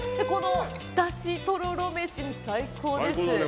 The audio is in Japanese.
この出汁、とろろ飯も最高です。